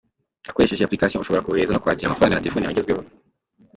Ukoresheje iyi application ushobora kohereza no kwakira amafaranga na telefoni yawe igezweho.